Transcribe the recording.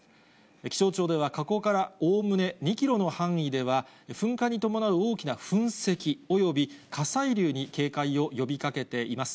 気象庁では、火口からおおむね２キロの範囲では、噴火に伴う大きな噴石および火砕流に警戒を呼びかけています。